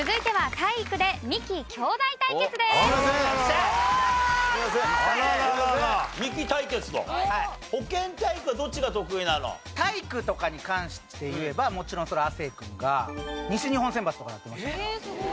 体育とかに関していえばもちろんそれは亜生君が西日本選抜とかなってましたから。